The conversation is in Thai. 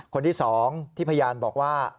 คนที่๒ที่พยานบอกว่า